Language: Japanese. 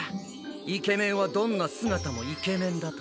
イケメンはどんな姿もイケメンだと。